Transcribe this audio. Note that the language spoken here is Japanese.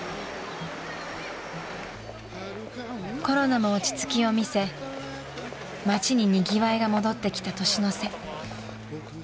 ［コロナも落ち着きをみせ街ににぎわいが戻ってきた年の瀬］